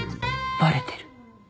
バレてる。